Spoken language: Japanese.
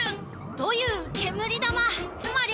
という煙玉つまり。